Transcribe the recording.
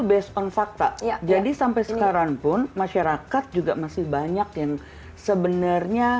based on fakta jadi sampai sekarang pun masyarakat juga masih banyak yang sebenarnya